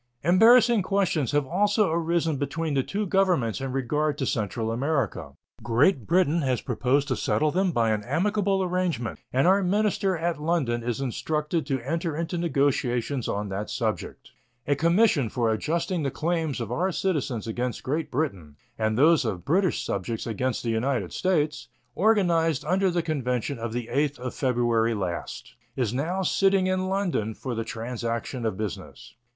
Embarrassing questions have also arisen between the two Governments in regard to Central America. Great Britain has proposed to settle them by an amicable arrangement, and our minister at London is instructed to enter into negotiations on that subject. A commission for adjusting the claims of our citizens against Great Britain and those of British subjects against the United States, organized under the convention of the 8th of February last, is now sitting in London for the transaction of business.